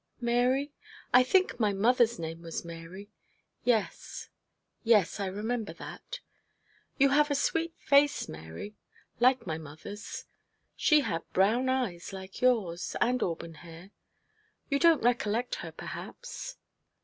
Mary? I think my mother's name was Mary. Yes, yes, I remember that. You have a sweet face, Mary like my mother's. She had brown eyes, like yours, and auburn hair. You don't recollect her, perhaps?'